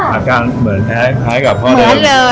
อาการเหมือนคล้ายกับพ่อเลี้ยง